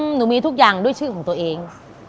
หนูมีทุกอย่างด้วยชื่อของตัวเอง